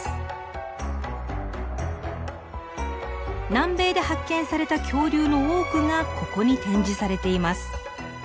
南米で発見された恐竜の多くがここに展示されています。